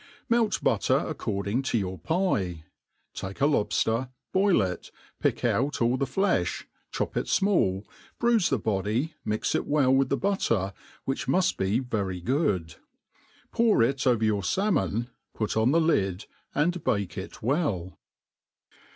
Melt butter ac* cording to your pie ; take a lobfter, boil it. piclc out all tbb flefh, chop it fmall, bruife the body, nnx it wie)i with the but ter, which muft be very gooc) ; ppur it over your falinon, pu( Pl> tbe Ud» and bake it well.